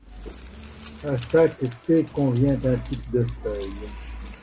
À chaque thé convient un type de feuilles.